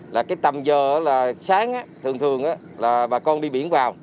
là cái tầm giờ là sáng thường thường là bà con đi biển vào